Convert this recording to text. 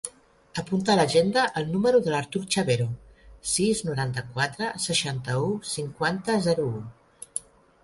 Apunta a l'agenda el número de l'Artur Chavero: sis, noranta-quatre, seixanta-u, cinquanta, zero, u.